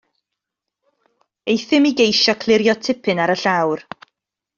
Euthum i geisio clirio tipyn ar y llawr.